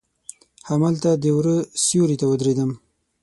هملته د وره سیوري ته ودریدم.